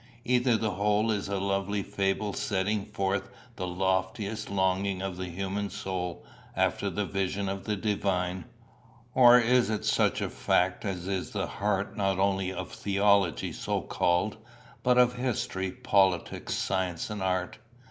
Either the whole is a lovely fable setting forth the loftiest longing of the human soul after the vision of the divine, or it is such a fact as is the heart not only of theology so called, but of history, politics, science, and art.